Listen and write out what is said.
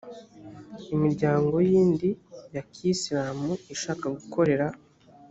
imiryango yindi ya kiyisilamu ishaka gukorera